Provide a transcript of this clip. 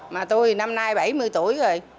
mà tôi năm nay bảy mươi tuổi rồi